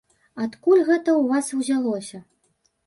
Адкуль гэта ў вас узялося?